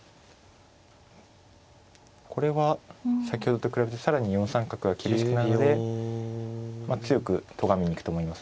これは先ほどと比べて更に４三角が厳しくなるのでまあ強くとがめに行くと思いますね。